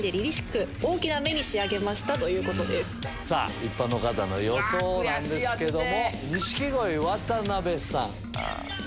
一般の方の予想なんですけども。